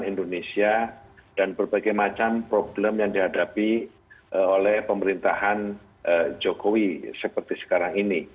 indonesia dan berbagai macam problem yang dihadapi oleh pemerintahan jokowi seperti sekarang ini